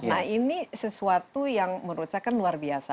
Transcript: nah ini sesuatu yang menurut saya kan luar biasa